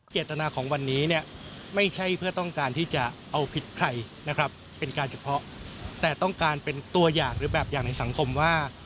เจตนาของวันนี้เนี่ยไม่ใช่เพื่อต้องการที่จะเอาผิดใครนะครับเป็นการเฉพาะแต่ต้องการเป็นตัวอย่างหรือแบบอย่างในสังคมว่า